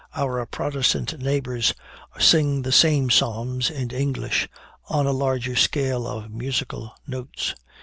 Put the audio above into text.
Our Protestant neighbors sing the same psalms in English, on a larger scale of musical notes.